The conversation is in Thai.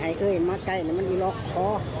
บ้อไห่เคยมาใกล้แต่มันมีล้อคอ